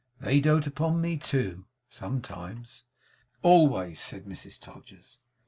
They dote upon me too sometimes.' 'Always,' said Mrs Todgers.